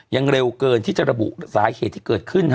เร็วเกินที่จะระบุสาเหตุที่เกิดขึ้น